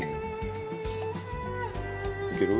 いける？